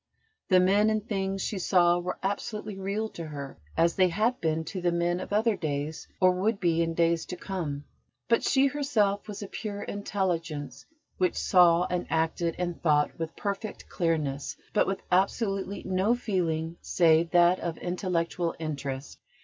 The men and things she saw were absolutely real to her, as they had been to the men of other days, or would be in days to come; but she herself was a pure Intelligence which saw and acted and thought with perfect clearness, but with absolutely no feeling save that of intellectual interest.